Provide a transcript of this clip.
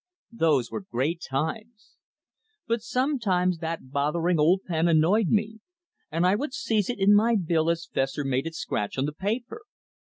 Those were great times. But sometimes that bothering old pen annoyed me, and I would seize it in my bill as Fessor made it scratch on the paper.